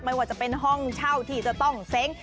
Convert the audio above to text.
ไม่ว่าจะเป็นห้องเช่าที่จะต้องเซ้ง